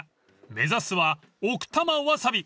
目指すは奥多摩ワサビ］